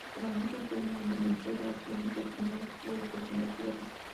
Por la noche duermen en el suelo, haciendo pequeños huecos en la tierra.